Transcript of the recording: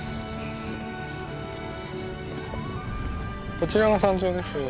こちらが山頂です。